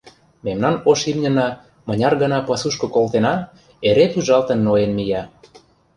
Мемнан ош имньына, мыняр гана пасушко колтена, эре пӱжалтын-ноен мия.